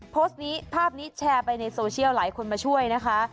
โพสต์นี้ภาพนี้แชร์ไปในโซเชียลหลายคนมาช่วยนะคะ